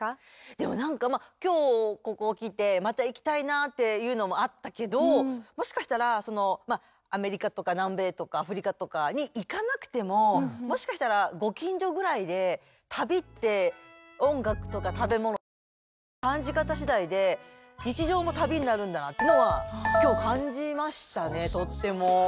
でもなんか今日ここ来てまた行きたいなっていうのもあったけどもしかしたらアメリカとか南米とかアフリカとかに行かなくてももしかしたらご近所ぐらいで旅って音楽とか食べ物とか自分の感じ方しだいでってのは今日感じましたねとっても。